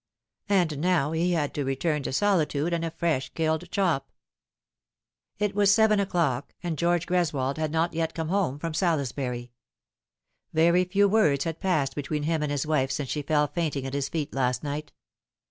And now he had to return to solitude and a fresh killed chop. It was seven o'clock, and George Greswold had not yet come home from Salisbury. Very few words had passed between him and his wife since she fell fainting at his feet last night.